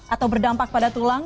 atau berdampak pada tulang